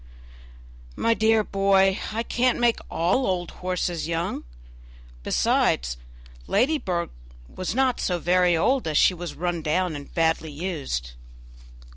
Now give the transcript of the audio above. "My dear boy, I can't make all old horses young; besides, Ladybird was not so very old, as she was run down and badly used."